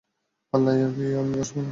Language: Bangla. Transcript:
পাল্লায় কি আমি বসবো নাকি?